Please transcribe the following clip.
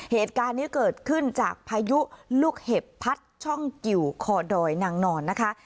เหตุการณ์นี้เกิดขึ้นจากพายุลูกเห็บพัดช่องกิวคอดอยนางนอนนะคะ